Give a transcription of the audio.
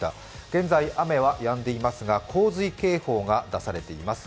現在雨はやんでいますが洪水警報が出されています。